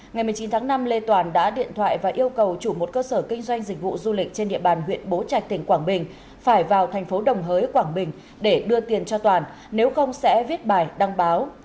ngày một mươi chín tháng năm lê toàn đã điện thoại và yêu cầu chủ một cơ sở kinh doanh dịch vụ du lịch trên địa bàn huyện bố trạch tỉnh quảng bình phải vào thành phố đồng hới quảng bình để đưa tiền cho toàn nếu không sẽ viết bài đăng báo